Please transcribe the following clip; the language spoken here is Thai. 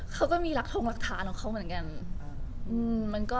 เขาก็มีรักทงรักฐานของเขาเหมือนกัน